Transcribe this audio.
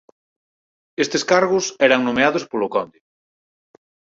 Estes cargos eran nomeados polo conde.